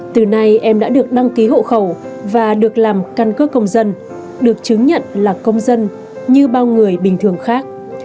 từ nay em đã được đăng ký hộ khẩu và được làm căn cước công dân được chứng nhận là công dân như bao người bình thường khác